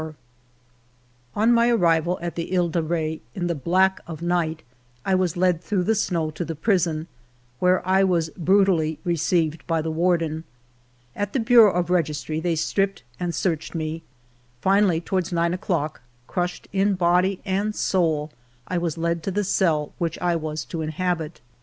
ALFRED DREYFUS 77 On my arrival at the He de Re in the black of night, I was led through the snow to the prison, where I was brutally received by the warden. At the Bureau of Registry they stripped and searched me. Finally, toward nine o'clock, crushed in body and soul, I was led to the cell which I was to inhabit.